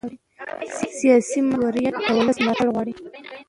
سیاسي مشروعیت د ولس ملاتړ غواړي